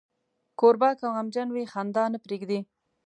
کوربه که غمجن وي، خندا نه پرېږدي.